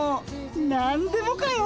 何でもかよ。